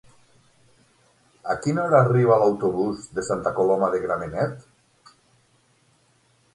A quina hora arriba l'autobús de Santa Coloma de Gramenet?